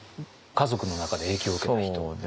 家族の中で影響を受けた人。